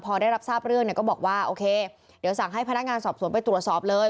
พอได้รับทราบเรื่องเนี่ยก็บอกว่าโอเคเดี๋ยวสั่งให้พนักงานสอบสวนไปตรวจสอบเลย